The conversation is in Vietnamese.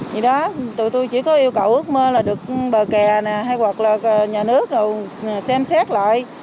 vì đó tụi tôi chỉ có yêu cầu ước mơ là được bờ kè này hay hoặc là nhà nước xem xét lại